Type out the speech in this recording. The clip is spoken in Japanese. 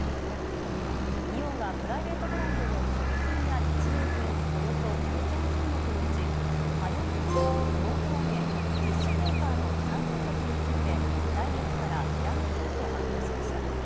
イオンはプライベートブランドの食品や日用品およそ５０００品目のうち、マヨネーズ、ノンフライ麺、ティッシュペーパーの３品目について、来月から値上げすると発表しました。